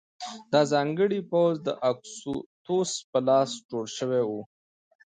دا ځانګړی پوځ د اګوستوس په لاس جوړ شوی و